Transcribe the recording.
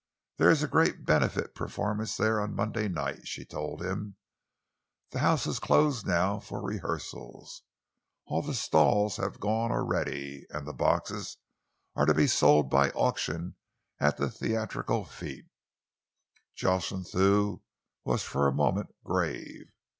"There is a great benefit performance there on Monday night," she told him. "The house is closed now for rehearsals. All the stalls have gone already, and the boxes are to be sold by auction at the Theatrical Fête." Jocelyn Thew was for a moment grave.